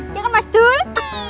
ya kan mas dul